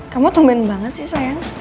kamu tuban banget sih sayang